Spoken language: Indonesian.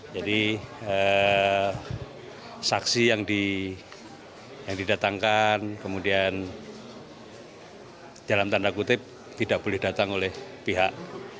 jadi saksi yang didatangkan kemudian dalam tanda kutip tidak boleh datang oleh pihak